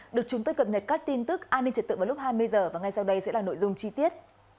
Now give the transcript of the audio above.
được chúng tôi cập nhật các tin tức an ninh trật tự vào lúc hai mươi h và ngay sau đây sẽ là nội dung chi tiết